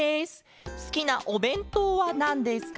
すきなおべんとうはなんですか？